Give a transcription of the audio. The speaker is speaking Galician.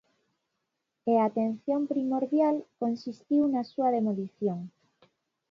E a atención primordial consistiu na súa demolición.